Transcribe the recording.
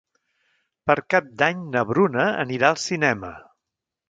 Per Cap d'Any na Bruna anirà al cinema.